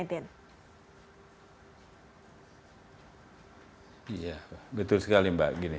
iya betul sekali mbak